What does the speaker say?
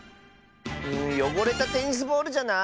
よごれたテニスボールじゃない？